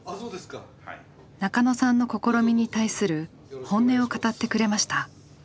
中野さんの試みに対する本音を語ってくれました。